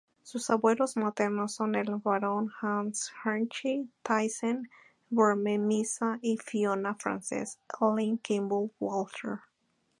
Sus abuelos maternos son el Barón Hans Heinrich Thyssen-Bornemisza y Fiona Frances Elaine Campbell-Walter.